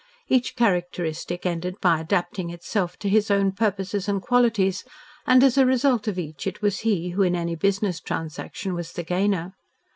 Each characteristic ended by adapting itself to his own purposes and qualities, and as a result of each it was he who in any business transaction was the gainer.